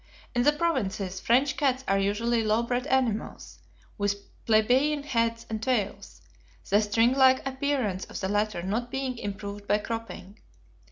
In the provinces, French cats are usually low bred animals, with plebeian heads and tails, the stringlike appearance of the latter not being improved by cropping.